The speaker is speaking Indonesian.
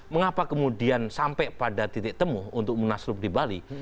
mengapa kemudian sampai pada titik temu untuk munaslup di bali